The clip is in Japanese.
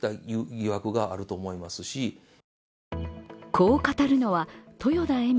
こう語るのは豊田恵美